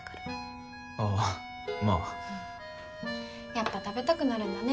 やっぱ食べたくなるんだね